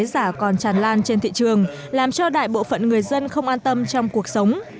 giả còn tràn lan trên thị trường làm cho đại bộ phận người dân không an tâm trong cuộc sống